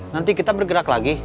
nanti kita bergerak lagi